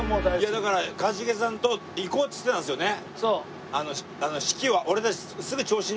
いやだから一茂さんと行こうって言ってたんですよね。